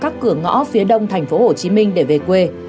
các cửa ngõ phía đông tp hcm để về quê